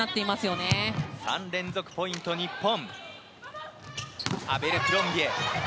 ３連続ポイント、日本。